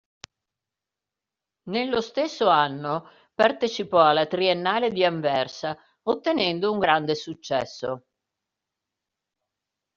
Nello stesso anno partecipò alla Triennale di Anversa, ottenendo un grande successo.